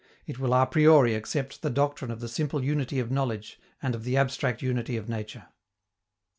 It will a priori accept the doctrine of the simple unity of knowledge and of the abstract unity of nature.